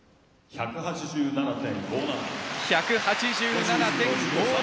１８７．５７。